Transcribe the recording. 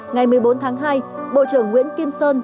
ngày một mươi bốn tháng hai bộ trưởng nguyễn kim sơn